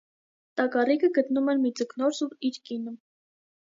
Տակառիկը գտնում են մի ձկնորս ու իր կինը։